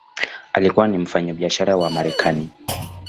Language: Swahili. Alikuwa ni mfanyabiashara wa Marekani.